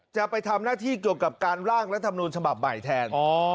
จะไปทำหน้าที่เกี่ยวกับการร่างรัฐมนุนฉบับใหม่แทน